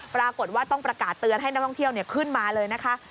ปรากฏว่าต้องประกาศเตือนให้นักท่องเที่ยวขึ้นมาเลยนะคะ